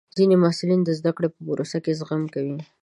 ځینې محصلین د زده کړې په پروسه کې زغم کوي.